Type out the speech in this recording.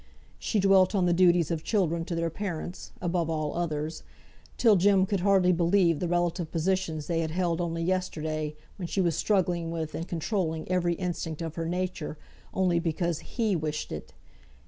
She dwelt on the duties of children to their parents (above all others), till Jem could hardly believe the relative positions they had held only yesterday, when she was struggling with and controlling every instinct of her nature, only because he wished it.